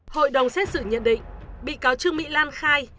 hội đồng xét xử nhận định bị cáo trương mỹ lan khai